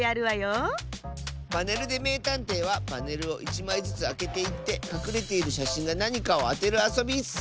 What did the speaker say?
「パネルでめいたんてい」はパネルを１まいずつあけていってかくれているしゃしんがなにかをあてるあそびッス！